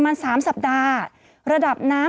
ศูนย์อุตุนิยมวิทยาภาคใต้ฝั่งตะวันอ่อค่ะ